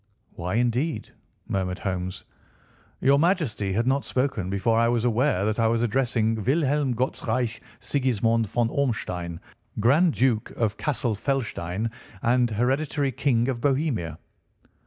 "Why, indeed?" murmured Holmes. "Your Majesty had not spoken before I was aware that I was addressing Wilhelm Gottsreich Sigismond von Ormstein, Grand Duke of Cassel Felstein, and hereditary King of Bohemia."